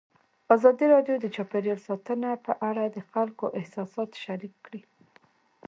ازادي راډیو د چاپیریال ساتنه په اړه د خلکو احساسات شریک کړي.